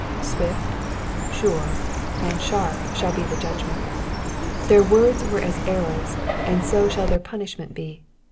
'*'* Swift, sure, and sharp shall be the judgment. Their words were as arrows, and so shall their punishment be.